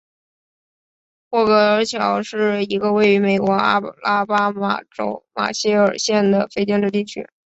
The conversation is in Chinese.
霍格乔是一个位于美国阿拉巴马州马歇尔县的非建制地区。